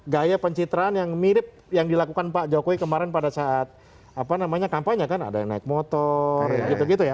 gaya pencitraan yang mirip yang dilakukan pak jokowi kemarin pada saat apa namanya kampanye kan ada yang naik motor gitu gitu ya